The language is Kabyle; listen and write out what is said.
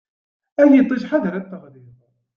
Ay iṭṭij ḥader ad teɣliḍ.